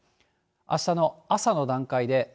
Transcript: あしたの朝の段階で。